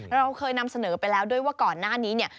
เราเคยนำเสนอไปแล้วด้วยว่าก่อนหน้านี้เนี่ย